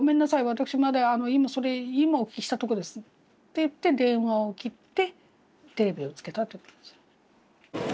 私まだ今それ今お聞きしたとこです」って言って電話を切ってテレビをつけたと。